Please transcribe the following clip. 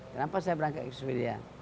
kenapa saya berangkat ke sweden